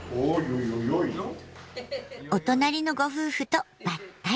お隣のご夫婦とばったり。